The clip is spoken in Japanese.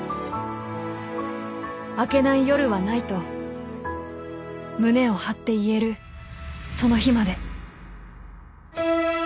［明けない夜はないと胸を張って言えるその日まで］